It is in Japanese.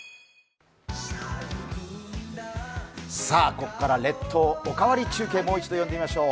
ここから「列島おかわり中継」、もう一度呼んでみましょう。